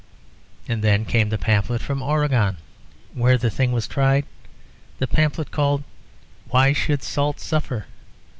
And then came the pamphlet from Oregon (where the thing was tried), the pamphlet called "Why should Salt suffer?"